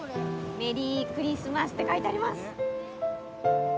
メリークリスマスって書いてあります。